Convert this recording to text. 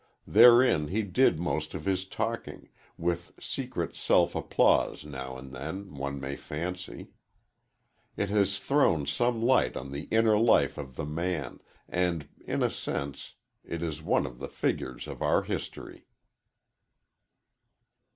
Therein he did most of his talking, with secret self applause now and then, one may fancy. It has thrown some light on the inner life of the man, and, in a sense, it is one of the figures of our history.